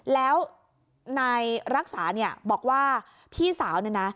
แล้วนายรักษาเนี่ยบอกว่าพี่สาวเนี่ยนะ